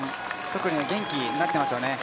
特に元気になってますよね。